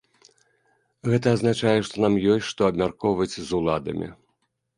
Гэта азначае, што нам ёсць што абмяркоўваць з уладамі.